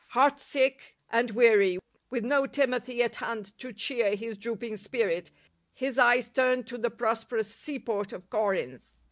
Heart sick and weary, with no Timothy at hand to cheer his drooping spirit, his eyes turned to the prosperous sea port of Corinth.